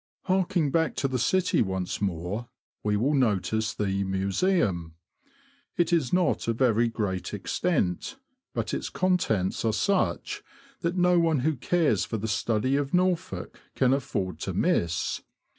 Harking back to the city once more, we will notice the Museum. It is not of very great extent, but its contents are such as no one who cares for the study of Norfolk can afford to miss.